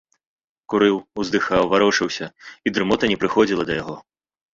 Курыў, уздыхаў, варочаўся, і дрымота не прыходзіла да яго.